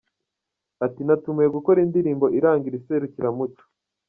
Ati “Natumiwe gukora indirimbo iranga iri serukiramuco.